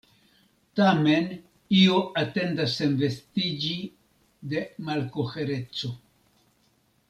Tamen io atendas senvestiĝi de malkohereco.